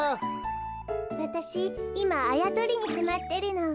わたしいまあやとりにはまってるの。